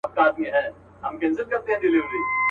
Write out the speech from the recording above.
چي یو غم یې سړوم راته بل راسي.